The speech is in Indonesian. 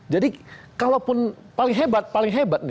jadi kalaupun paling hebat paling hebat nih